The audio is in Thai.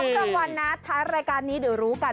รางวัลนะท้ายรายการนี้เดี๋ยวรู้กัน